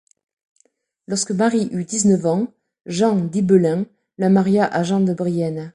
Lorsque Marie eut dix-neuf ans, Jean d'Ibelin la maria à Jean de Brienne.